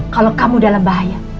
kalau kamu dalam bahaya